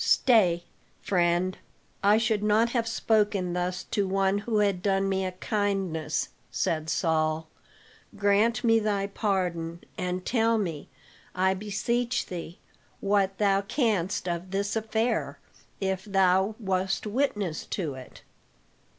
"Stay, friend. I should not have spoken thus to one who had done me a kindness," said Saul. "Grant me thy pardon, and tell me, I beseech thee, what thou canst of this affair if thou wast witness to it.